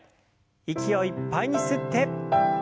息をいっぱいに吸って。